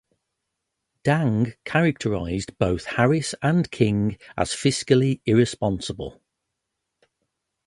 Dang characterized both Harris and King as fiscally irresponsible.